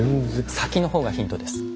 先の方がヒントです。